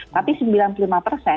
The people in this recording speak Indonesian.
tapi sembilan puluh lima persen